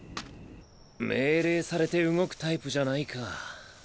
命令されて動くタイプじゃないか。